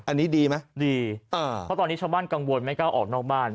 อันนี้ดีไหมดีเพราะตอนนี้ชาวบ้านกังวลไม่กล้าออกนอกบ้าน